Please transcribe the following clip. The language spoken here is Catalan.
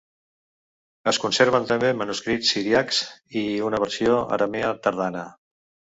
Es conserven també manuscrits siríacs i una versió aramea tardana.